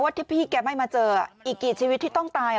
ที่พี่แกไม่มาเจออีกกี่ชีวิตที่ต้องตาย